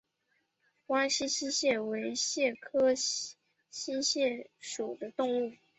弯肢溪蟹为溪蟹科溪蟹属的动物。